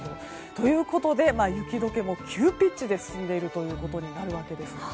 ということで雪解けも急ピッチで進んでいるということになるわけです。